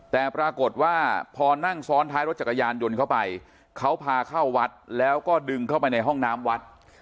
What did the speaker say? แต่ปรากฏว่าพอนั่งซ้อนท้ายรถจักรยานยนต์เข้าไปเขาพาเข้าวัดแล้วก็ดึงเข้าไปในห้องน้ำวัด